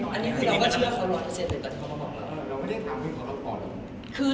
เราไม่ได้มาถามออด